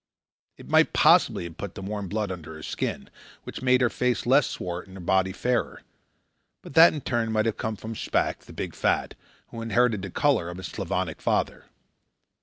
It might possibly have put the warm blood under her skin, which made her face less swart and her body fairer; but that, in turn, might have come from Shpack, the Big Fat, who inherited the colour of his Slavonic father.